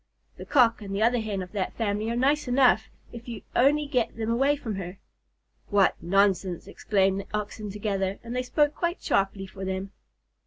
The Cock and the other Hen of that family are nice enough if you only get them away from her." "What nonsense!" exclaimed the Oxen together, and they spoke quite sharply for them.